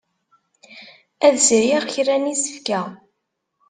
Ad sriɣ kra n yisefka.